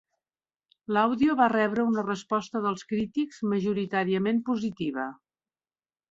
L'àudio va rebre una resposta dels crítics majoritàriament positiva.